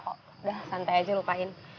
sudah santai saja lupakan